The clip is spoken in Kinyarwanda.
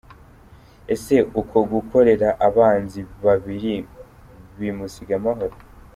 Ese uku gukorera abanzi babiri bimusiga amahoro?.